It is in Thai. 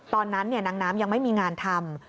ตอนนั้นนางน้ำยังไม่มีงานทำ